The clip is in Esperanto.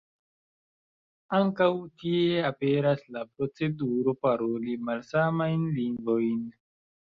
Ankaŭ tie aperas la proceduro paroli malsamajn lingvojn.